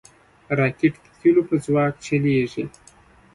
راکټ د تیلو په ځواک چلیږي